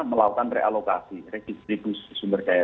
melakukan realokasi redistribusi sumber daya